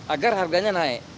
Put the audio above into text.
agar harganya naik